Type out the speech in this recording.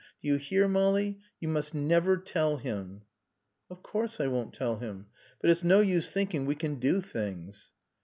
Do you hear, Molly? You must never tell him." "Of course I won't tell him. But it's no use thinking we can do things."